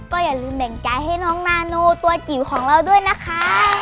ก็อย่าลืมแบ่งใจให้น้องนาโนตัวจิ๋วของเราด้วยนะคะ